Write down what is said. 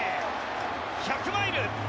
１００マイル！